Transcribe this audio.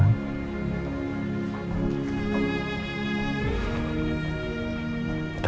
kita sama sama berdoa